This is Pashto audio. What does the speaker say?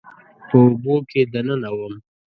په اوبو کې دننه وم